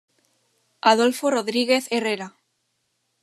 Adolfo Rodríguez Herrera.